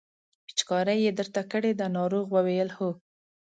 پېچکاري یې درته کړې ده ناروغ وویل هو.